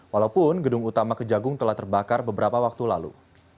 walaupun gedung utama kejagung telah terbakar beberapa waktu lalu